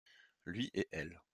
Lui et elle.